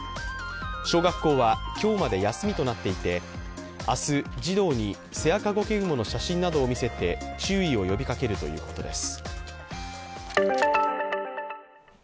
小学校は今日まで休みとなっていて明日、児童にセアカゴケグモの写真などを見せて注意を呼びかけるということです。